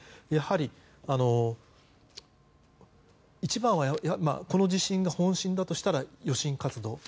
やはり、一番はこの地震が本震だとしたら余震活動。